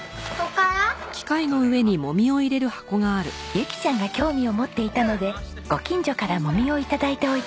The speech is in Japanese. ユキちゃんが興味を持っていたのでご近所からもみを頂いておいたんです。